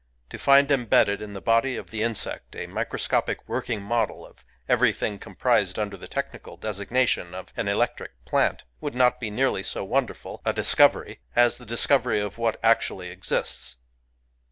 To find embedded in the body of the insect a microscopic working model of every thing comprised under the technical designation of an " electric plant," would not be nearly so wonder ful a discovery as the discovery of what actually exists.